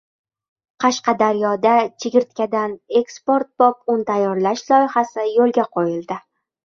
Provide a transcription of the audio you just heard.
Qashqadaryoda chigirtkadan eksportbop un tayyorlash loyihasi yo‘lga qo‘yildi